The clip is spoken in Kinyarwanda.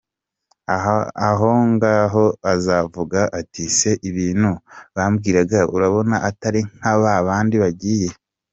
Ahongaho azavuga ati ’se ibintu bambwiraga urabona atari nka ba bandi bagiye’”.